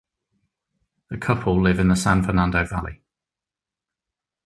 The couple live in the San Fernando Valley.